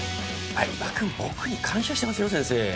伊庭くん僕に感謝してますよ先生。